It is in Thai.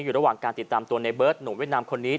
อยู่ระหว่างการติดตามตัวในเบิร์ตหนุ่มเวียดนามคนนี้